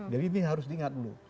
jadi ini harus diingat dulu